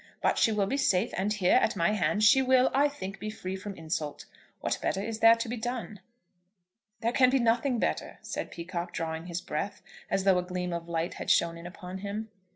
But she will be safe; and here, at my hand, she will, I think, be free from insult. What better is there to be done?" "There can be nothing better," said Peacocke drawing his breath, as though a gleam of light had shone in upon him.